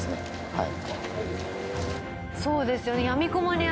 はい。